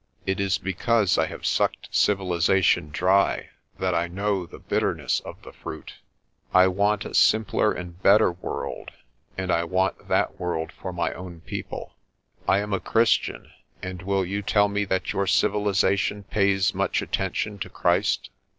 "It is because I have sucked civilisation dry that I know the bitterness of the fruit. I want a simpler and better world and I want A DEAL AND ITS CONSEQUENCES 203 that world for my own people. I am a Christian, and will you tell me that your civilisation pays much attention to Christ?